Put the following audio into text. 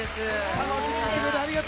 楽しみにしてくれてありがと